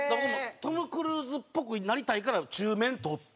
トム・クルーズっぽくなりたいから中免取って。